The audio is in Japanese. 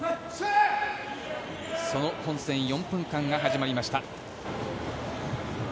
その本戦４分間が始まりました。